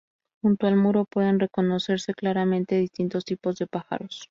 Junto al muro pueden reconocerse claramente distintos tipos de pájaros.